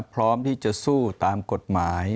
พร้อมที่จะสู้ตามกฎหมาย